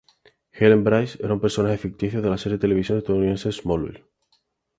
Helen Bryce era un personaje ficticio de la serie de televisión estadounidense Smallville.